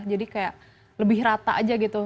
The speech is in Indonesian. jadi kayak lebih rata aja gitu